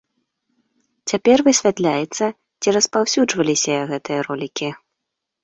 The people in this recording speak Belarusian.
Цяпер высвятляецца, ці распаўсюджваліся гэтыя ролікі.